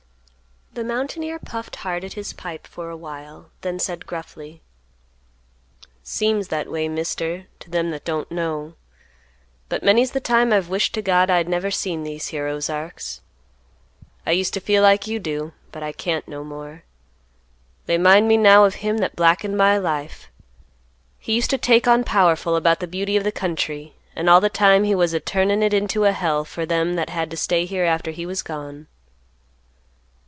The mountaineer puffed hard at his pipe for a while, then said gruffly, "Seems that way, Mister, to them that don't know. But many's the time I've wished to God I'd never seen these here Ozarks. I used to feel like you do, but I can't no more. They 'mind me now of him that blackened my life; he used to take on powerful about the beauty of the country and all the time he was a turnin' it into a hell for them that had to stay here after he was gone."